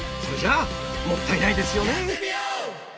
それじゃあもったいないですよね！